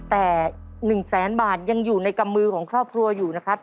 แต่๑แสนบาทยังอยู่ในกำมือของครอบครัวอยู่นะครับ